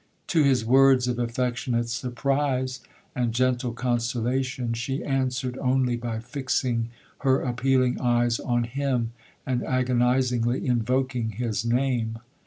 To his words of affectionate surprise, and gentle consolation, she answered only by fixing her appealing eyes on him, and agonizingly invoking his name.